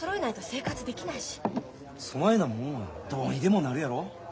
そないなもんはどうにでもなるやろ？